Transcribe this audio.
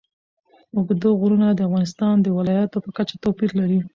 اوږده غرونه د افغانستان د ولایاتو په کچه توپیر لري.